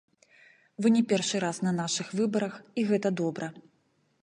Вы не першы раз на нашых выбарах, і гэта добра.